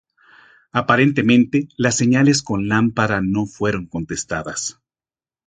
Aparentemente las señales con lámpara no fueron contestadas.